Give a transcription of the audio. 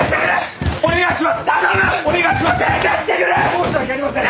申し訳ありません。